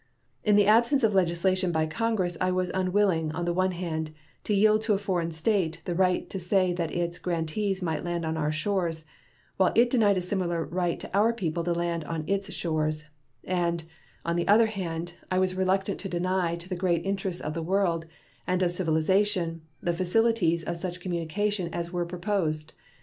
In the absence of legislation by Congress I was unwilling, on the one hand, to yield to a foreign state the right to say that its grantees might land on our shores while it denied a similar right to our people to land on its shores, and, on the other hand, I was reluctant to deny to the great interests of the world and of civilization the facilities of such communication as were proposed.